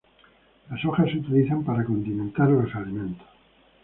Las hojas se utilizan para condimentar los alimentos.